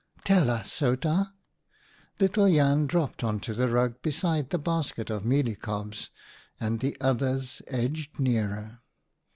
"Tell us, Outa." Little Jan dropped on to the rug beside the basket of mealie cobs, and the others edged nearer.